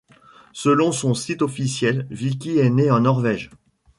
Selon son site officiel, Vicky est née en Norvège.